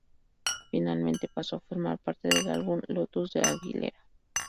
Finalmente paso a formar parte del álbum "Lotus" de Aguilera.